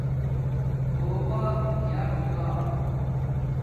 توبہ یݳ خدا